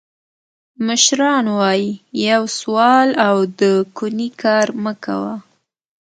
مشران وایي: یو سوال او د کونې کار مه کوه.